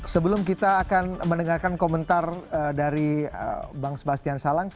sebelum kita akan mendengarkan komentar dari bang sebastian salang